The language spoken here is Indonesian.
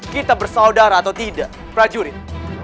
kita bersaudara atau tidak prajurit